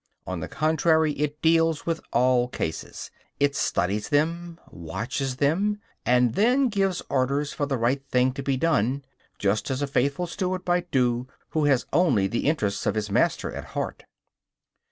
On the contrary, it deals with all cases; it studies them, watches them and then gives orders for the right thing to be done just as a faithful steward might do who had only the interests of his master at heart.